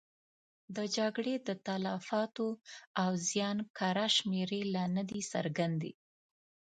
د جګړې د تلفاتو او زیان کره شمېرې لا نه دي څرګندې.